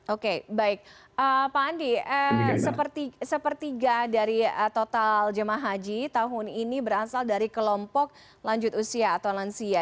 oke baik pak andi sepertiga dari total jemaah haji tahun ini berasal dari kelompok lanjut usia atau lansia